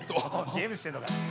ゲームしてんのかい。